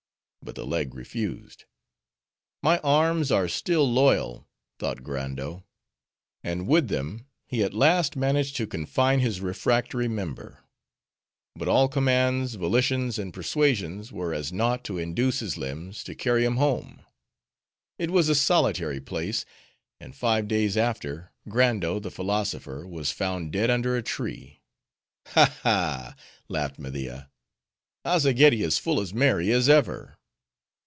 But the leg refused. 'My arms are still loyal,' thought Grando; and with them he at last managed to confine his refractory member. But all commands, volitions, and persuasions, were as naught to induce his limbs to carry him home. It was a solitary place; and five days after, Grando the philosopher was found dead under a tree." "Ha, ha!" laughed Media, "Azzageddi is full as merry as ever."